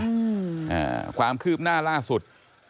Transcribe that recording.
อ่าความคืบหน้าล่าสุด